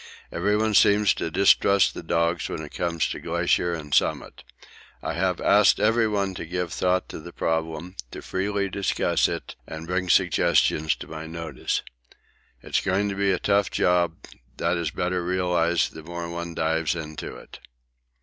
Everyone seems to distrust the dogs when it comes to glacier and summit. I have asked everyone to give thought to the problem, to freely discuss it, and bring suggestions to my notice. It's going to be a tough job; that is better realised the more one dives into it.